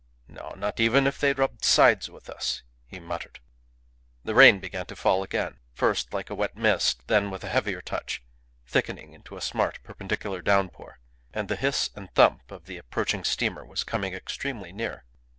"No, not even if they rubbed sides with us," he muttered. The rain began to fall again; first like a wet mist, then with a heavier touch, thickening into a smart, perpendicular downpour; and the hiss and thump of the approaching steamer was coming extremely near.